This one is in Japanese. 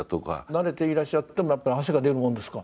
慣れていらっしゃってもやっぱり汗が出るもんですか。